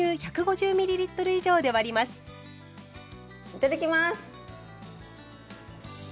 いただきます！